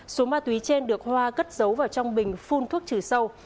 số ma túy trên được hoa cất giấu vào trong bình phun thuốc trừ sâu